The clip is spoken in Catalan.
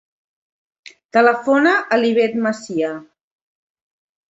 Telefona a l'Ivet Macia.